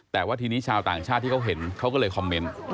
แต่ว่าทีนี้ชาวต่างชาติที่เขาเห็นเขาก็เลยคอมเมนต์